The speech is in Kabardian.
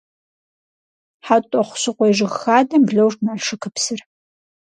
Хьэтӏохъущыкъуей жыг хадэм блож Налшыкыпсыр.